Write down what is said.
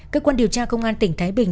cơ quan điều tra công an tỉnh thái bình